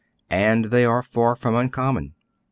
And they are far from uncommon.